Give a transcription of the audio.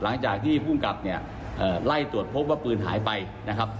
หลังจากที่ภูมิกับเนี่ยไล่ตรวจพบว่าปืนหายไปนะครับ